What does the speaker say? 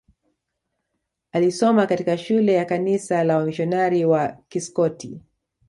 alisoma katika shule ya kanisa la wamisionari wa Kiskoti